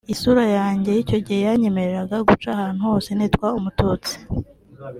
isura yanjye y’icyo gihe yanyemereraga guca ahantu hose nitwa umututsi